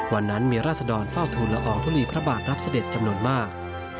วันนั้นมีราศดรเฝ้าทุนละอองทุลีพระบาทรับเสด็จจำนวนมาก